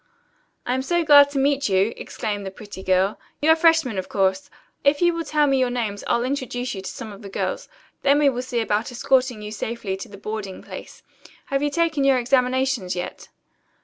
"I am so glad to meet you!" exclaimed the pretty girl. "You are freshmen, of course. If you will tell me your names I'll introduce you to some of the girls. Then we will see about escorting you safely to your boarding place. Have you taken your examinations yet?"